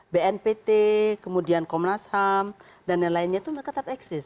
bnpt kemudian komnas ham dan lain lainnya itu tetap eksis